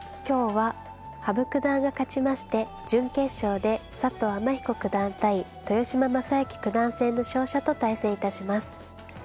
今日は羽生九段が勝ちまして準決勝で佐藤天彦九段対豊島将之九段戦の勝者と対戦致します。